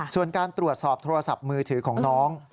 ส่วนการตรวจสอบโทรศัพท์มือถือของน้อง